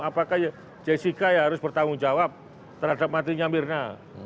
apakah jessica ya harus bertanggung jawab terhadap matinya mirna